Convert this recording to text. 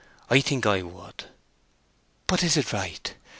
I think I would." "But is it right?